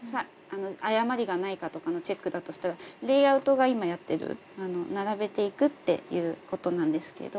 誤りがないかとかのチェックだとしたらレイアウトが今やってる並べていくっていうことなんですけど。